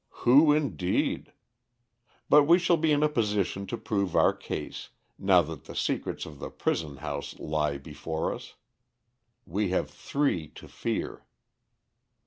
"Who, indeed! But we shall be in a position to prove our case, now that the secrets of the prison house lie before us. We have three to fear."